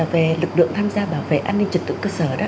về lực lượng tham gia đảm bảo an ninh trật tự cơ sở đó